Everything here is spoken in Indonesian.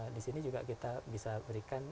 di sini juga kita bisa berikan